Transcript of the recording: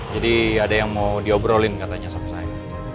jadi ada yang mau diobrolin katanya sama saya